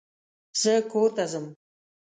زه کورته ځم.